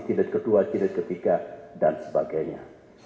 jilid kedua jilid ketiga dan sebagainya